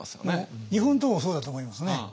日本刀もそうだと思いますね。